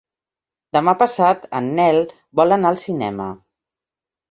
Demà passat en Nel vol anar al cinema.